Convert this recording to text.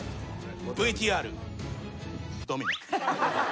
ＶＴＲドミノ。